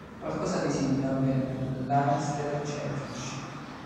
Qualcosa di simile avvenne nel Leinster Championship.